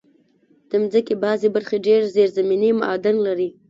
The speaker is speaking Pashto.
د مځکې بعضي برخې ډېر زېرزمینې معادن لري.